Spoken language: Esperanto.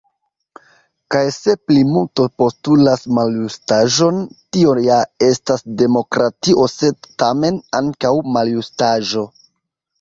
Kaj se plimulto postulas maljustaĵon, tio ja estas demokratio, sed, tamen, ankaŭ maljustaĵo.